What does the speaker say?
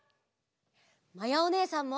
まやおねえさんも！